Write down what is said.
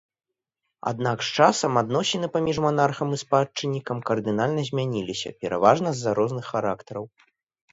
Аднак з часам адносіны паміж манархам і спадчыннікам кардынальна змяніліся пераважна з-за розных характараў.